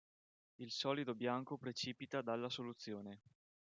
Il solido bianco precipita dalla soluzione.